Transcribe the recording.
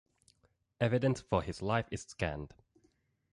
Evidence for his life is scant.